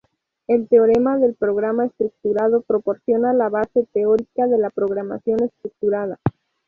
El teorema del programa estructurado proporciona la base teórica de la programación estructurada.